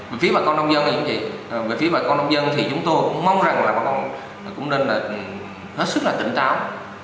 về phía bà con nông dân thì chúng tôi cũng mong rằng bà con cũng nên hết sức tỉnh táo